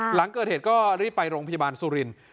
หลังเกิดเหตุก็รีบไปโรงพยาบาลสุรินทร์